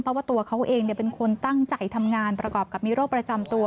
เพราะว่าตัวเขาเองเป็นคนตั้งใจทำงานประกอบกับมีโรคประจำตัว